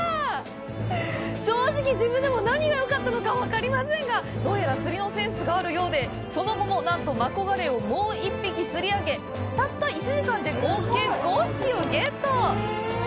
正直、自分でも何がよかったのか分かりませんが、どうやら釣りのセンスがあるようで、その後、マコガレイを釣り上げたった１時間で合計５匹ゲット！